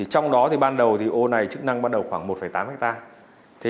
trong đó ô này chức năng bắt đầu khoảng một tám ha